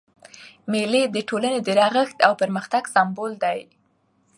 مېلې د ټولني د رغښت او پرمختګ سمبول دي.